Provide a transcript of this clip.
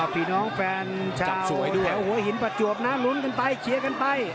พี่น้องแฟนชาวสวยด้วยหัวหินประจวบนะลุ้นกันไปเชียร์กันไป